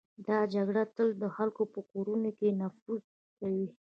دا جګړه تل د خلکو په کورونو کې نفوذ کوي.